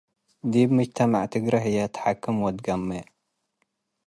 ዲብ ምጅተመዕ ትግሬ ህዬ ተሐክም ወትገሜ።